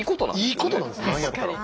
いいことなんですなんやったら。